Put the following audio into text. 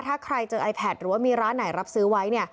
ถ้าใครเจอไอแพทหรือว่ามีร้านไหนรับซื้อไว้